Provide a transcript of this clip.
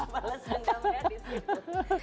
balas handalnya di situ